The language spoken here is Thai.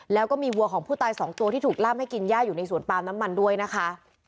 แล้วก็มีวัวของผู้ตายสองตัวที่ถูกล่ำให้กินย่าอยู่ในสวนปาล์มน้ำมันด้วยนะคะ